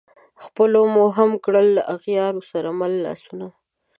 خلپو مو هم کړل له اغیارو سره مله لاسونه